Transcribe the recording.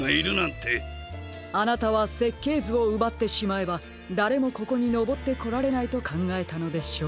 あなたはせっけいずをうばってしまえばだれもここにのぼってこられないとかんがえたのでしょう。